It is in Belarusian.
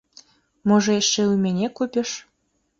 Можа, яшчэ і ў мяне купіш?